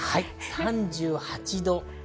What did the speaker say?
３８度。